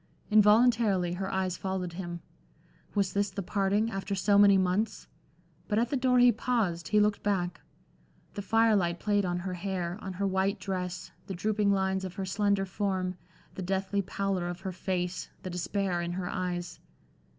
Involuntarily, her eyes followed him. Was this the parting, after so many months? But at the door he paused, he looked back. The firelight played on her hair, on her white dress, the drooping lines of her slender form, the deathly pallor of her face, the despair in her eyes....